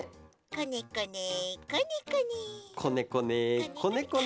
こねこねこねこね。